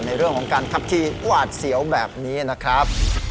ในเรื่องของการขับขี่หวาดเสียวแบบนี้นะครับ